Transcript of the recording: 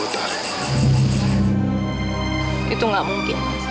itu gak mungkin